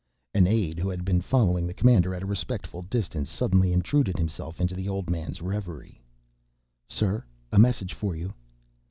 An aide, who had been following the commander at a respectful distance, suddenly intruded himself in the old man's reverie. "Sir, a message for you."